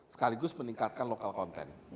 sekaligus meningkatkan lokal konten